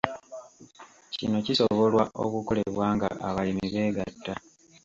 Kino kisobolwa okukolebwa nga abalimi beegatta.